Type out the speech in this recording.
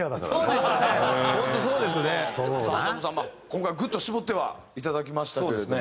今回グッと絞ってはいただきましたけれども。